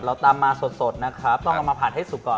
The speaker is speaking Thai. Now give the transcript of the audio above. เราตำมาสดนะครับต้องเอามาผัดให้สุกก่อน